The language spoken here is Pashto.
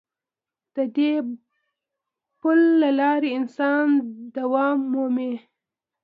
د دې پل له لارې انسان دوام مومي.